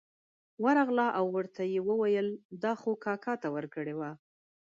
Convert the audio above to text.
ورغله او ورته یې وویل دا خو کاکا ته ورکړې وه.